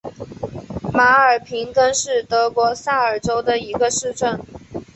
马尔平根是德国萨尔州的一个市镇。